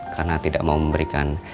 karena tidak mau memberikan